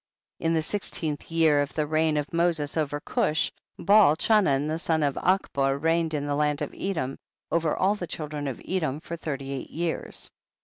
2. In the sixteenth year of the reign of Moses over Cush, Baal Chanan the son of Achbor reigned in the land of Edom over all the children of Edom for thirty eight years.